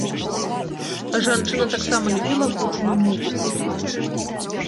Жанчына таксама любіла гучную музыку.